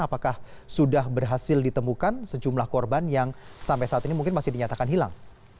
apakah sudah berhasil ditemukan sejumlah korban yang sampai saat ini mungkin masih dinyatakan hilang